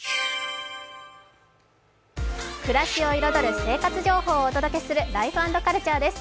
暮らしを彩る生活情報をお届けする「ライフ＆カルチャー」です。